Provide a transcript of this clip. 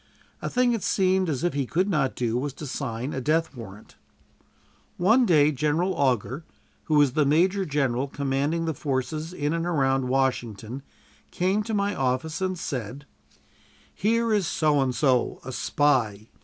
A thing it seemed as if he could not do was to sign a death warrant. One day General Augur, who was the major general commanding the forces in and around Washington, came to my office and said: "Here is So and So, a spy.